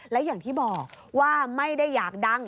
และอย่างที่บอกว่าไม่ได้อยากดัง